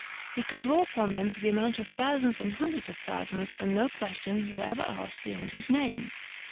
He could draw upon them to the amount of thousands and hundreds of thousands; and no questions were ever asked beyond his name.